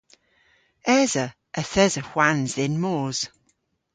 Esa. Yth esa hwans dhyn mos.